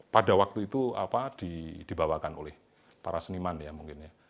pada waktu itu dibawakan oleh para seniman ya mungkin ya